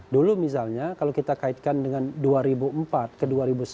dulu misalnya kalau kita kaitkan dengan dua ribu empat ke dua ribu sembilan